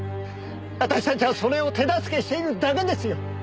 私たちはそれを手助けしているだけですよ。